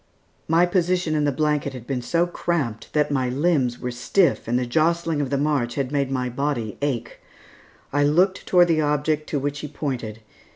My position in the blanket had been so cramped that my limbs were stiff and the jostling of the march had made my body ache. I looked toward the object to which he pointed.